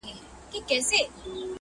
o موزي په بد راضي٫